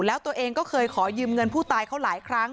แล้วตัวเองก็เคยขอยืมเงินผู้ตายเขาหลายครั้ง